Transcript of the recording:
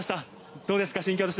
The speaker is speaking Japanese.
どうですか？